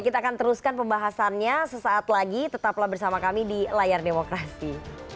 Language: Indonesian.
kita akan teruskan pembahasannya sesaat lagi tetaplah bersama kami di layar demokrasi